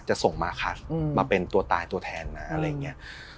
จะส่งมาค่ะมาเป็นตัวตายตัวแทนนะอะไรอย่างนี้